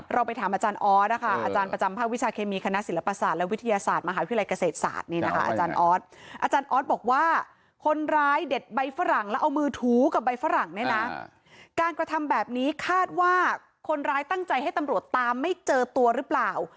เราไปถามอาจารย์ออสอาจารย์ประจำภาควิชาเคมีคณะศิลปศาสตร์และวิทยาศาสตร์มหาวิทยาศาสตร์มหาวิทยาศาสตร์อาจารย์ออส